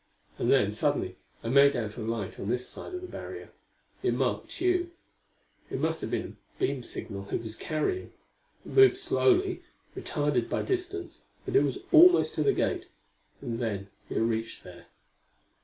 And then suddenly I made out a light on this side of the barrier; it marked Tugh; it must have been a beam signal he was carrying. It moved slowly, retarded by distance, but it was almost to the gate; and then it reached there.